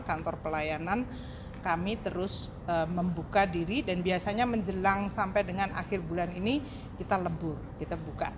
kantor pelayanan kami terus membuka diri dan biasanya menjelang sampai dengan akhir bulan ini kita lembu kita buka